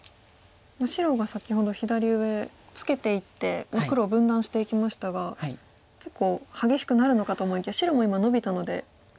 白が先ほど左上ツケていって黒を分断していきましたが結構激しくなるのかと思いきや白も今ノビたので。